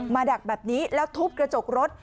ดักแบบนี้แล้วทุบกระจกรถ